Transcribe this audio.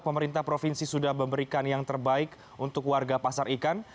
pemerintah provinsi sudah memberikan yang terbaik untuk warga pasar ikan